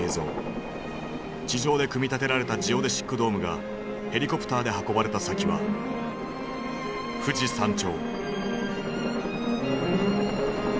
地上で組み立てられたジオデシックドームがヘリコプターで運ばれた先は富士山頂。